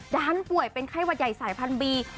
ด้านป่วยเป็นไขวะใหญ่สายพันบี